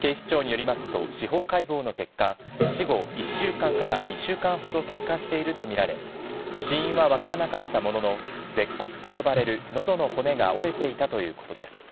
警視庁によりますと、司法解剖の結果、死後１週間から２週間ほど経過していると見られ、死因は分からなかったものの、舌骨と呼ばれるのどの骨が折れていたということです。